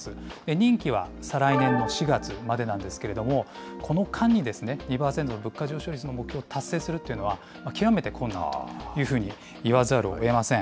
任期は再来年の４月までなんですけれども、この間に２％の物価上昇率の目標を達成するっていうのは、極めて困難というふうにいわざるをえません。